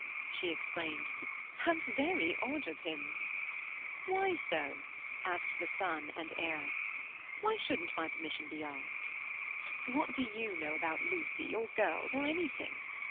She exclaimed: "How very odd of him!" "Why so?" asked the son and heir. "Why shouldn't my permission be asked?" "What do you know about Lucy or girls or anything?